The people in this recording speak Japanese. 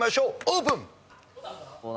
オープン！